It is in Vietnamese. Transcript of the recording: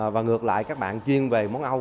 và ngược lại các bạn chuyên về món âu